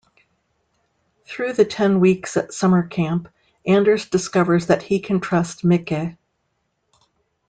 Through the ten weeks at summercamp, Anders discovers that he can trust Micke.